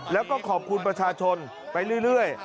แล้วก็ขอบคุณประชาชนไปเรื่อย